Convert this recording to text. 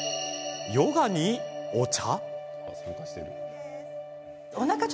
ヨガにお茶？